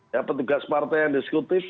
ya petugas partai yang disekutif